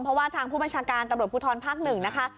เพราะว่าทางผู้บัญชาการตำรวจภูทรภาค๑นะคะ